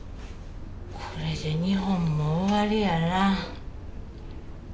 これで日本も終わりやな。